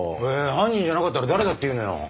犯人じゃなかったら誰だっていうのよ？